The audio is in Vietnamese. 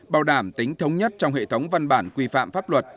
bảo đảm tính thống nhất trong hệ thống văn bản quy phạm pháp luật